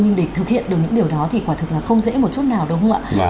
nhưng để thực hiện được những điều đó thì quả thực là không dễ một chút nào đúng không ạ